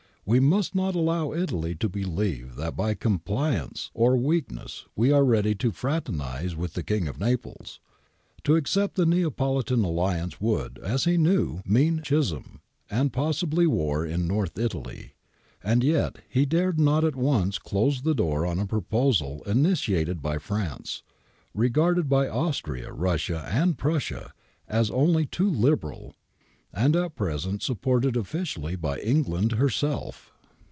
We must not allow Italy to believe that by complaisance or weakness we are ready to fraternize with the King of Naples.' ^ To accept the Neapolitan alliance would, as he knew, mean schism and possibly civil war in North Italy. And yet he dared not at once close the door on a proposal initiated by France, regarded by Austria, Russia, and Prussia as only too liberal, and at present supported officially by Eng land herself.